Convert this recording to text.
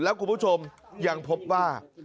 แล้วคุณผู้ชมยังพบว่า